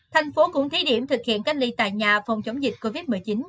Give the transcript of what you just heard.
thành phố cũng thí điểm thực hiện cách ly tại nhà phòng chống dịch covid một mươi chín